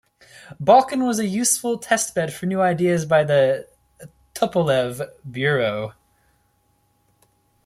Balkan was a useful test-bed for new ideas by the Tupolev bureau.